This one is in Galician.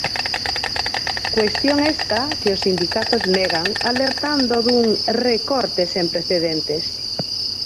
Cuestión esta que os sindicatos negan, alertando dun "recorte sen precedentes".